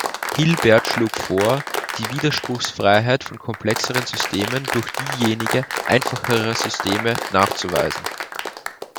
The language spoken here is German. Hilbert schlug vor, die Widerspruchsfreiheit von komplexeren Systemen durch diejenige einfacherer Systeme nachzuweisen.